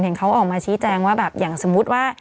เห็นเขาออกมาชี้แจงว่าอย่างสมมติว่า